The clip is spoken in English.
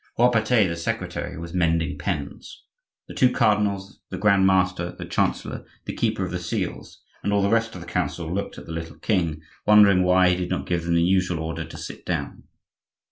Robertet, the secretary, was mending pens. The two cardinals, the grand master, the chancellor, the keeper of the seals, and all the rest of the council looked at the little king, wondering why he did not give them the usual order to sit down.